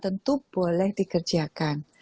tentu boleh dikerjakan